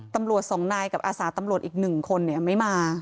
ตำรวจสองนายกับอาสาทตำรวจอีกหนึ่งคนนี่ไม่มา